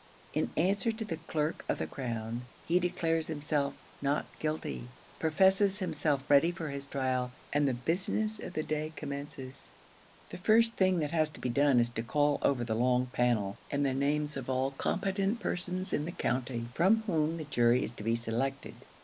In answer to the clerk of the crown, he declares himself not guilty, professes himself ready for his trial, and the business of the day commences. The first thing that has to be done is to call over the long panel, and the names of all competent persons in the county, from whom the jury is to be selected.